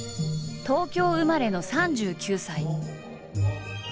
東京生まれの３９歳。